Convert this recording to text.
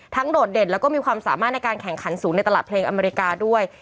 โดดเด่นแล้วก็มีความสามารถในการแข่งขันสูงในตลาดเพลงอเมริกาด้วย